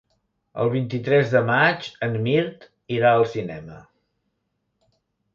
El vint-i-tres de maig en Mirt irà al cinema.